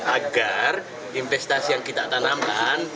agar investasi yang kita tanamkan